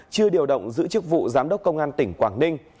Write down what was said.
chưa điều động giữ chức vụ giám đốc công an tỉnh quảng ninh